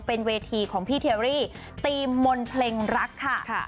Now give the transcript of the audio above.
เป็นเวทีของพี่เทียรี่ธีมมนต์เพลงรักค่ะ